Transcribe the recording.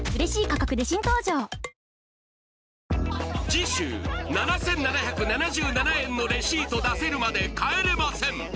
次週７７７７円のレシート出せるまで帰れません